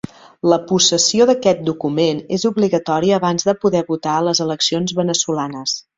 La possessió d'aquest document és obligatòria abans de poder votar a les eleccions veneçolanes.